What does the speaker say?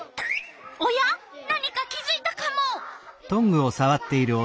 おや何か気づいたカモ！